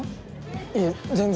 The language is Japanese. いえ全然。